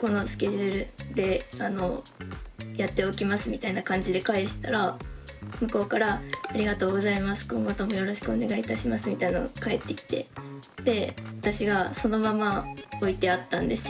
このスケジュールでやっておきます」みたいな感じで返したら向こうから「ありがとうございます。今後ともよろしくお願いいたします」みたいなの返ってきてで私がそのまま置いてあったんですよ。